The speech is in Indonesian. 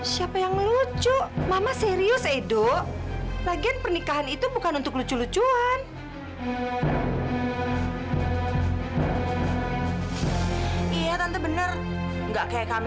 sampai jumpa di video selanjutnya